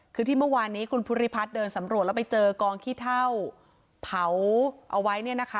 คือที่เมื่อวานนี้คุณภูริพัฒน์เดินสำรวจแล้วไปเจอกองขี้เท่าเผาเอาไว้เนี่ยนะคะ